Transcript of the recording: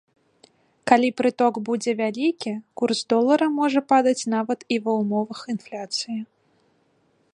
Калі прыток будзе вялікі, курс долара можа падаць нават і ва ўмовах інфляцыі.